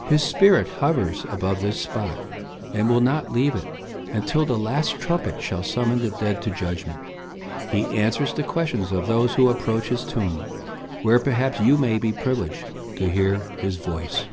His spirit hovers about this spot, and will not leave it, until the last trumpet shall summon the dead to judgment. He answers the questions of those who approach his tomb, where perhaps you may be privileged to hear his voice."